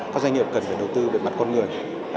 các doanh nghiệp cần phải đầu tư về mặt con người